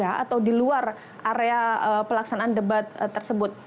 atau diluar area pelaksanaan debat tersebut